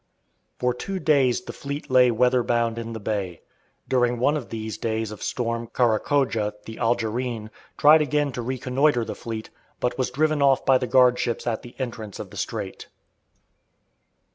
For two days the fleet lay weather bound in the bay. During one of these days of storm Kara Khodja, the Algerine, tried again to reconnoitre the fleet, but was driven off by the guardships at the entrance of the strait.